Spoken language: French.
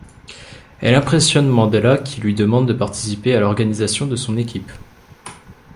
Elle impressionne Mandela qui lui demande de participer à l'organisation de son équipe.